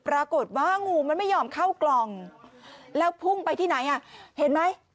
ปรากฏว่างูมันไม่ยอมเข้ากล่องแล้วพุ่งไปที่ไหนอ่ะเห็นไหม